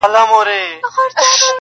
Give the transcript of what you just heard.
ستا د غرور حسن ځوانۍ په خـــاطــــــــر~